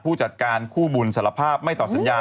ผู้จัดการคู่บุญสารภาพไม่ตอบสัญญา